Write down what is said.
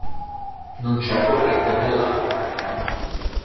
Non c'è corrente nel lago.